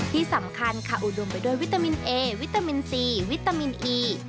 ที่สำคัญค่ะอุดมไปด้วยวิตามินเอวิตามินซีวิตามินอี